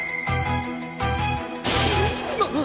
あっ。